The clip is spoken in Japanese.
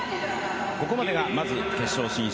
ここまでがまず決勝進出